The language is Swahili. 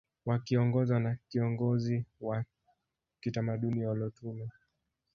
Wakiongozwa na kiongozi wa kitamaduni olotuno